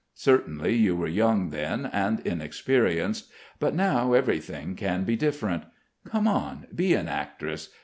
Certainly you were young then and inexperienced. But now everything can be different. Come on, be an actress.